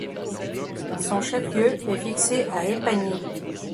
Son chef-lieu est fixé à Épagny.